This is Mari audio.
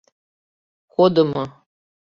Кодымо.